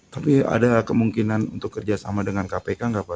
tapi ada kemungkinan untuk kerjasama dengan kpk nggak pak